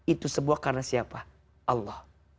itu semua karena siapa allah